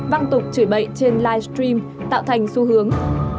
văng tục chửi bậy trên live stream tạo thành xu hướng